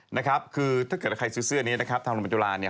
ถ้าใครซื้อเสื้ออันนี้ทางโรงพยาบาลยุฬา